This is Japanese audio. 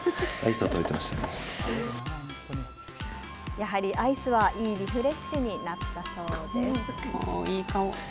やはりアイスはいいリフレッシュになったそうです。